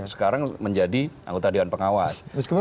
sekarang menjadi anggota dewan pengawas